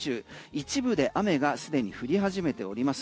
一部で雨がすでに降り始めております。